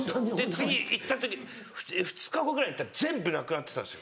次行った時２日後ぐらい行ったら全部なくなってたんです。